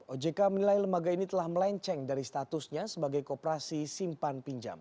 ojk menilai lembaga ini telah melenceng dari statusnya sebagai kooperasi simpan pinjam